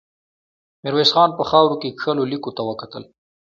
ميرويس خان په خاورو کې کښلو ليکو ته وکتل.